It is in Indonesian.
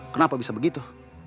kenapa bisa begitu